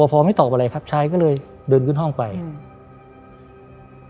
พอไม่ตอบอะไรครับชายก็เลยเดินขึ้นห้องไปอืม